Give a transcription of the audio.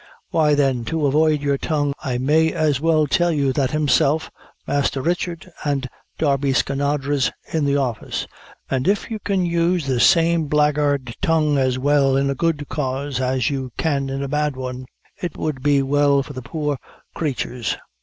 "Why, then, to avoid your tongue, I may as well tell you that himself, Masther Richard, and Darby Skinadre's in the office; an' if you can use the same blackguard tongue as well in a good cause as you can in a bad one, it would be well for the poor crayturs.